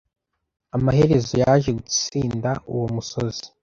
Amaherezo yaje gutsinda uwo musozi.